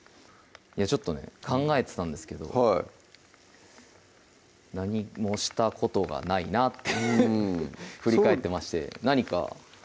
ちょっとね考えてたんですけどはい何もしたことがないなってヘヘッうん振り返ってまして何か？